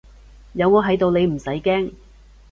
有我喺度你唔使驚